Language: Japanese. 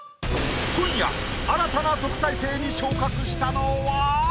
今夜新たな特待生に昇格したのは？